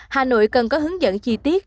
hà nội cần có hướng dẫn chi tiết